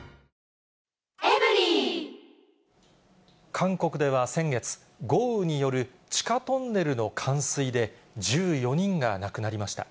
韓国では先月、豪雨による地下トンネルの冠水で１４人が亡くなりました。